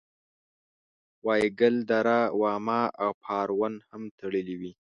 وایګل دره واما او پارون هم تړلې وې.